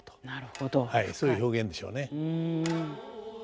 そういう表現でしょうね。